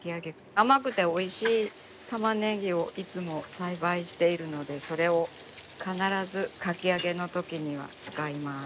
甘くておいしいたまねぎをいつも栽培しているのでそれを必ずかき揚げのときには使います。